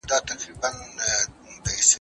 زه اوږده وخت مېوې وچوم وم.